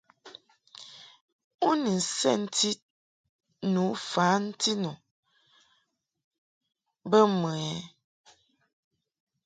U ni nsɛnti tu fanti nu bə mɨ ɛ ?